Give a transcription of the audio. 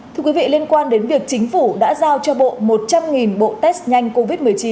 thưa quý vị liên quan đến việc chính phủ đã giao cho bộ một trăm linh bộ test nhanh covid một mươi chín